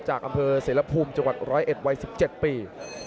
จากอำเภอเสรภูมิจังหวัด๑๐๑วัย๑๗ปี